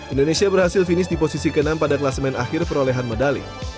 indonesia berhasil finish di posisi ke enam pada kelas main akhir perolehan medali